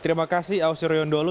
terima kasih aosirion dolo